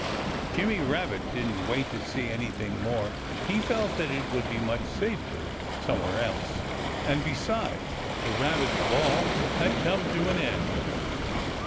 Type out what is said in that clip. Jimmy Rabbit didn't wait to see anything more. He felt that it would be much safer somewhere else. And besides, the Rabbits' Ball had come to an end.